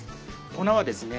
粉はですね